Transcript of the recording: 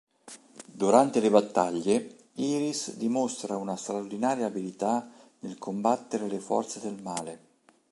Durante le battaglie, Iris dimostra una straordinaria abilità nel combattere le forze del male.